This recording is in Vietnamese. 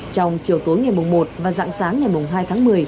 trong chiều tối ngày mùng một và dặn sáng ngày mùng hai tháng một mươi